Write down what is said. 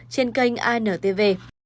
trên kênh antv